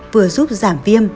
vừa giúp giảm viêm